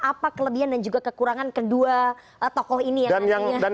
apa kelebihan dan juga kekurangan kedua tokoh ini yang nantinya